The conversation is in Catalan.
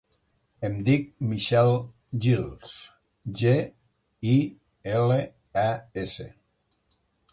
Em dic Michelle Giles: ge, i, ela, e, essa.